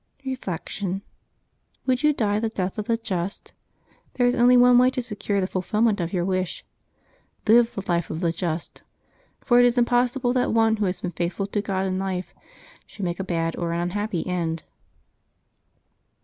Reflection. — ^Would you die the death of the just ? there is only one way to secure the fulfilment of your wish. Live the life of the just. For it is impossible that one who has been faithful to God in life should make a bad or an un happy end.